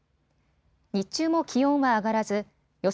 日中も気温は上がらず予想